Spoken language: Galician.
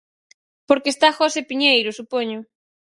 Porque está José Piñeiro, supoño.